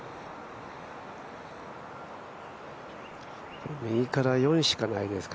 これ右から４しかないんですね